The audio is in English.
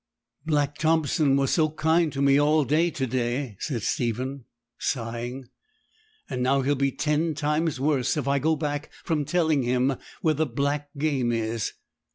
'Black Thompson was so kind to me all to day,' said Stephen, sighing; 'and now he'll be ten times worse if I go back from telling him where the black game is.'